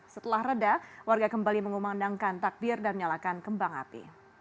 setelah reda warga kembali mengumandangkan takbir dan menyalakan kembang api